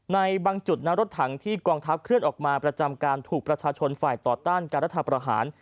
ในบางจุดนั้นรถถังที่กองทัพเคลื่อนออกมาประจำการถูกประชาชนฝ่ายต่อต้านการรัฐประหาร